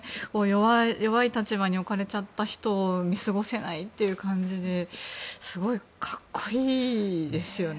弱い立場に置かれちゃった人を見過ごせないという感じですごい格好いいですよね。